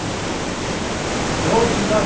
どうすんだ？